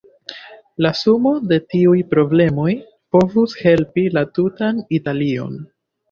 La sumo de tiuj problemoj povus helpi la tutan Italion.